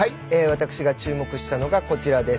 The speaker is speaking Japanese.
私が注目したのがこちらです。